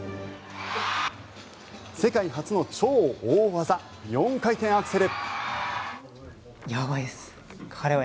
世界初の超大技４回転アクセル。